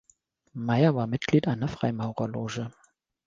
Meyer war Mitglied einer Freimaurerloge.